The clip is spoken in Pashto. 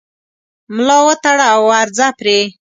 ملا وتړه او ورځه پرې